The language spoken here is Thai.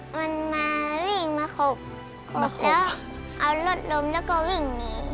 มันมาวิ่งมาขบแล้วเอารถล้มแล้วก็วิ่งหนี